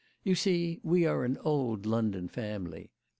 You see, we are an old London family.